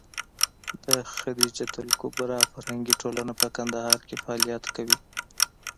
د خدېجه الکبرا فرهنګي ټولنه په کندهار کې فعالیت کوي.